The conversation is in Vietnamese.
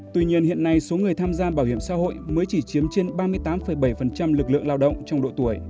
tuy nhiên hiện nay số người tham gia bảo hiểm xã hội mới chỉ chiếm trên ba mươi tám bảy lực lượng lao động trong độ tuổi